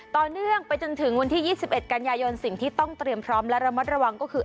ต่อเนื่องไปจนถึงวันที่๒๑กันยายนสิ่งที่ต้องเตรียมพร้อมและระมัดระวังก็คือ